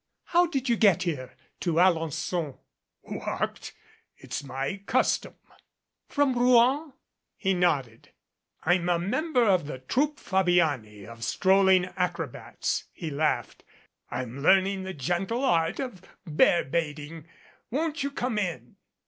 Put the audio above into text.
"How did you get here to Alen9on?" "Walked it's my custom." "From Rouen?" He nodded. "I'm a member of the Troupe Fabiani of Strolling Acrobats," he laughed. "I'm learning the gentle art of bear baiting. Won't you come in?"